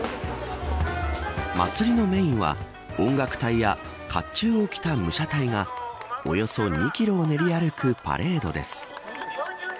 祭りのメーンは音楽隊や甲冑を着た武者隊がおよそ２キロを練り歩くパレードです。